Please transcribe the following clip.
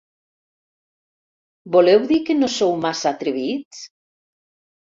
Voleu dir que no sou massa atrevits?